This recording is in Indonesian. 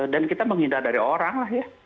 dan kita menghindar orang lah ya